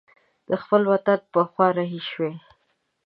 د خپل وطن پر خوا رهي شوی.